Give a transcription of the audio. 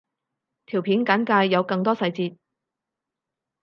條片簡介有更多細節